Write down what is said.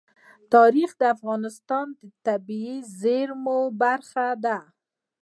تاریخ د افغانستان د طبیعي زیرمو برخه ده.